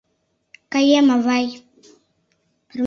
— Каем, авай...